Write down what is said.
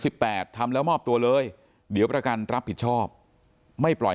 แปดทำแล้วมอบตัวเลยเดี๋ยวประกันรับผิดชอบไม่ปล่อย